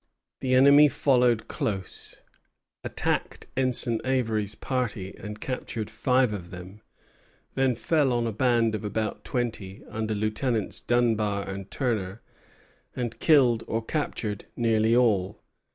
The enemy followed close, attacked Ensign Avery's party, and captured five of them; then fell upon a band of about twenty, under Lieutenants Dunbar and Turner, and killed or captured nearly all.